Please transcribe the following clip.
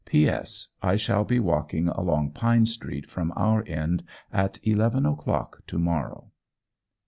"P.S. I shall be walking along Pine Street from our end, at eleven o'clock to morrow."